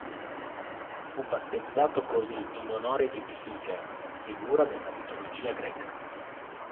Fu battezzato così in onore di Psiche, figura della mitologia greca.